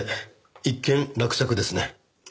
一件落着ですね。